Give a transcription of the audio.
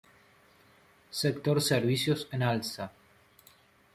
Sector servicios en alza.